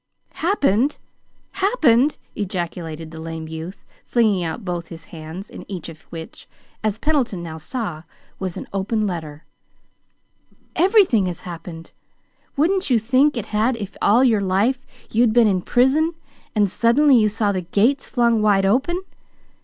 "Happened! Happened!" ejaculated the lame youth, flinging out both his hands, in each of which, as Pendleton now saw, was an open letter. "Everything has happened! Wouldn't you think it had if all your life you'd been in prison, and suddenly you saw the gates flung wide open?